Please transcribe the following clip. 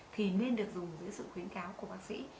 thì nên được dùng dưới sự khuyến cáo của bác sĩ